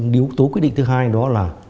điếu tố quyết định thứ hai đó là